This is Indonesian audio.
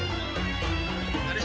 lari siapa pak